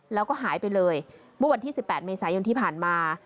แล้วก็หายไปเลยเมื่อวันที่๑๘เมษายนที่ผ่านมา